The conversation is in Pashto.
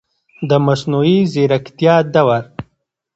د مصنوعي ځیرکتیا دور